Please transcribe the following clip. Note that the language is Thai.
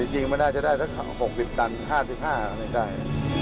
แต่จริงไม่ได้จะได้ละ๖๐ตัน๕๕กิโลเมตรไม่ได้